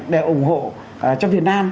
để ủng hộ cho việt nam